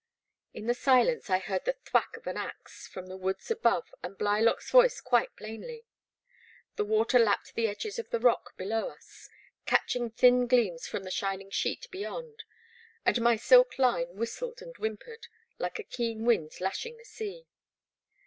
In the silence I heard the thwack of an axe from the woods above and Bly lock's voice quite plainly. The water lapped the edges of the rock below us, catching thin gleams from the shining sheet beyond, and my silk line whistled and whimpered like a keen wind lashing the sea.